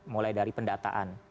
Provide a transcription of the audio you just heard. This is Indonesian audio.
mulai dari pendataan